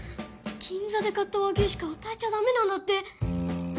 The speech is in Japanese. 銀座で買った和牛しか与えちゃ駄目なんだって！